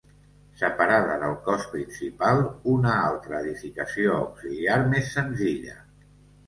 Separada del cos principal, una altra edificació auxiliar més senzilla.